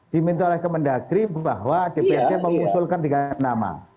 diminta oleh kemendagri bahwa dprd mengusulkan tiga nama